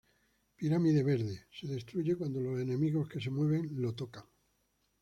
Pirámide Verde: Se destruye cuando los enemigos que se mueven lo tocan.